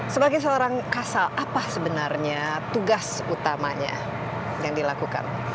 sebagai seorang kasal apa sebenarnya tugas utamanya yang dilakukan